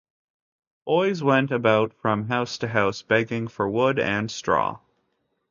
Boys went about from house to house begging for wood and straw.